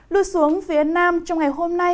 lưu xuống phía nam trong ngày hôm nay